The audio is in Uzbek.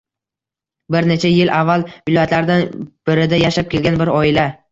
Bir necha yil avval viloyatlardan birida yashab kelgan bir oila